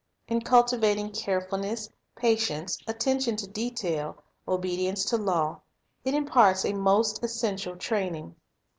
In culti vating carefulness, patience, attention to detail, obedi ence to law, it imparts a most essential training.